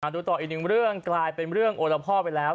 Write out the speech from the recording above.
ดูต่ออีกหนึ่งเรื่องกลายเป็นเรื่องโอละพ่อไปแล้ว